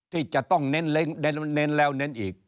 ที่จะต้องเน้นแล้วเน้นอีก